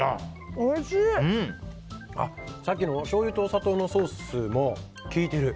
さっきのしょうゆとお砂糖のソースも効いてる。